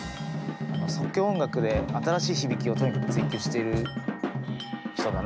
即興音楽で新しい響きをとにかく追求してる人だなと思いますね。